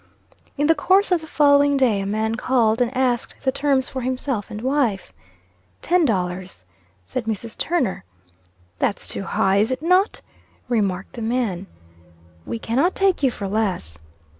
In the course of the following day, a man called and asked the terms for himself and wife. "Ten dollars," said Mrs. Turner. "That's too high is it not?" remarked the man. "We cannot take you for less."